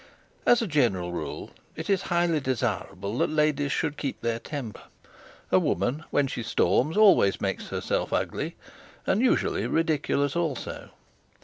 As a general rule, it is highly desirable that ladies should keep their temper; a woman when she storms always makes herself ugly, and usually ridiculous also.